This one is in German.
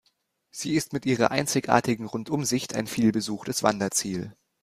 Sie ist mit ihrer einzigartigen Rundumsicht ein vielbesuchtes Wanderziel.